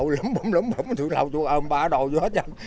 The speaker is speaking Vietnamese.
bấm bấm bấm bấm chùm lậu chùm ôm ba đồ vô hết trận